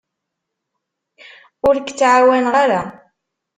Ur k-ttɛawaneɣ ara.